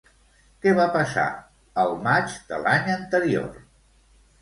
Què va passar el maig de l'any anterior?